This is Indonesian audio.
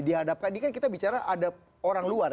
dihadapkan ini kan kita bicara ada orang luar ya